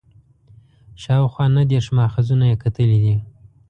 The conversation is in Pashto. شاوخوا نهه دېرش ماخذونه یې کتلي دي.